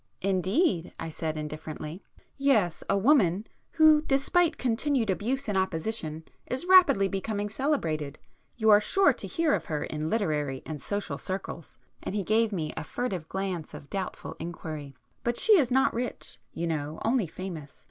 "Indeed!" I said indifferently. "Yes—a woman, who despite continued abuse and opposition is rapidly becoming celebrated. You are sure to hear of her in literary and social circles"—and he gave me a furtive glance of doubtful inquiry—"but she is not rich, you know,—only famous.